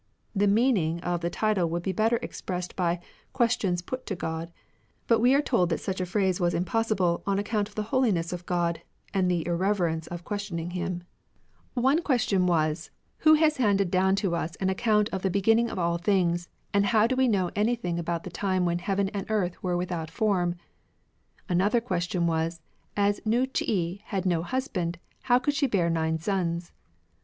The meaning of the title would be better expressed by " Questions put to God," but we are told that such a phrase was impossible on account of the holiness of God and the irreverence of questioning Him. One 43 RELIGIONS OF ANCIENT CHINA question was, " Who has handed down to us an account of the beginning of all things, and how do we know anything about the time when heaven and earth were without form ?" An other question was, " As Nii ch'i had no husband, how could she bear nine sons